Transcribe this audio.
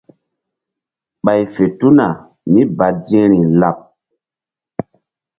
Ɓay fe tuna mí badi̧hri laɓ.